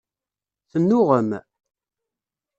Tennuɣem?